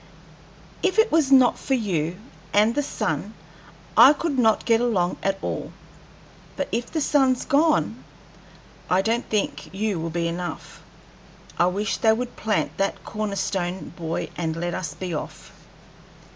If it was not for you and the sun, I could not get along at all; but if the sun's gone, I don't think you will be enough. I wish they would plant that corner stone buoy and let us be off."